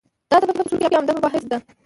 دا د فقهې په اصولو کې عمده مباحثو ده.